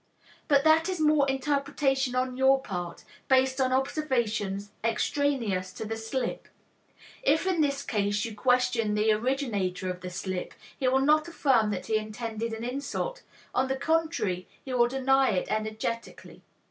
But that is mere interpretation on your part, based on observations extraneous to the slip. If in this case you question the originator of the slip, he will not affirm that he intended an insult, on the contrary, he will deny it energetically.